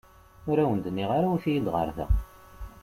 Ur awen-d-nniɣ ara awit-iyi-d ɣer da.